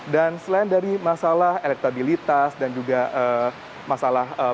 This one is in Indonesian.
dan selain dari masalah elektabilitas dan juga masalah barang barang